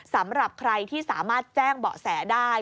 สำหรับใครที่สามารถแจ้งเบาะแสได้